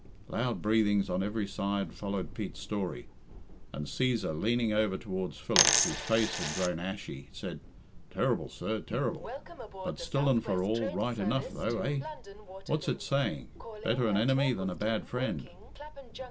Loud breathings on every side followed Pete's story, and Cæsar, leaning over towards Philip, whose face had grown ashy, said, "Terrible, sir, terrible! But still and for all, right enough, though, eh! What's it saying, Better an enemy than a bad friend."